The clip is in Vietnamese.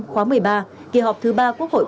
khóa một mươi ba kỳ họp thứ ba quốc hội